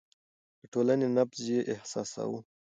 د ټولنې نبض يې احساساوه.